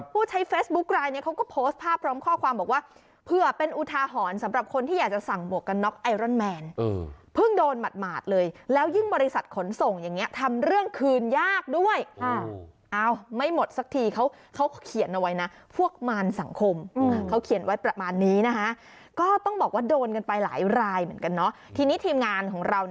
ผู้เสียหายที่โพสต์เตือนภัยซื้อของออนไลน์นะคะ